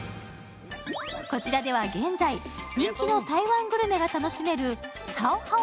こちらでは現在、人気の台湾グルメが楽しめる、超好吃！